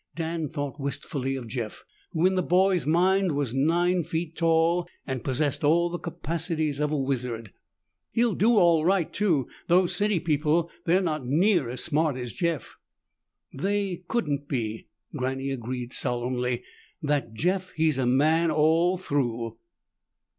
Dan thought wistfully of Jeff, who in the boy's mind was nine feet tall and possessed all the capacities of a wizard. "He'll do all right, too. Those city people, they're not near as smart as Jeff." "They couldn't be," Granny agreed solemnly. "That Jeff, he's man all through."